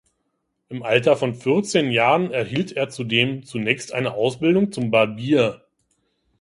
Im Alter von vierzehn Jahren erhielt er zudem zunächst eine Ausbildung zum Barbier.